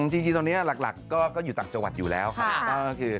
จริงตอนนี้หลักก็อยู่ต่างจังหวัดอยู่แล้วครับ